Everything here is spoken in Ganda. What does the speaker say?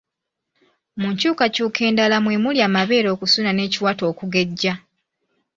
Mu nkyukakyuka endala mwe muli amabeere okusuna n'ekiwato okugejja.